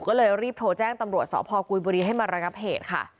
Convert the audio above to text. ก็เลยรีบโทรแจ้งตำรวจสพกุยบุรีให้มาระงับเหตุค่ะ